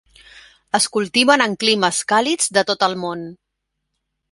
Es cultiven en climes càlids de tot el món.